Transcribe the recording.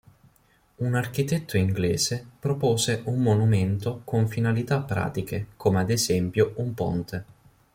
Un architetto inglese propose un monumento con finalità pratiche come ad esempio un ponte.